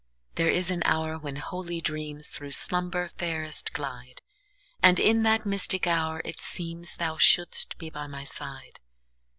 There is an hour when holy dreamsThrough slumber fairest glide; And in that mystic hour it seemsThou shouldst be by my side.